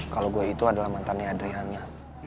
kalau gua itu adalah mantan ya adriana